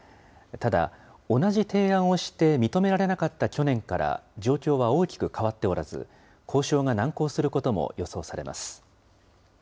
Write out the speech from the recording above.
ただ、同じ提案をして認められなかった去年から状況は大きく変わっておらず、交渉が難航することも予想されます。